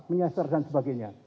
menyeser dan sebagainya